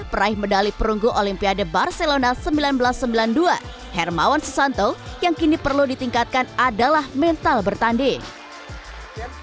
pihak de barcelona seribu sembilan ratus sembilan puluh dua hermawan susanto yang kini perlu ditingkatkan adalah mental bertanding